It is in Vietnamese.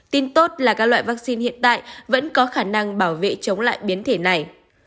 tin tốt là các loại vaccine hiện tại vẫn có khả năng bảo vệ chống lại biến thể này